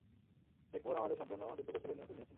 Chief Moore আমাদের সম্পুর্ণ যুদ্ধকৌশলের নিয়ন্ত্রন দিয়েছেন।